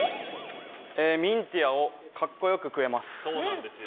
ミンティアをかっこよく食えます。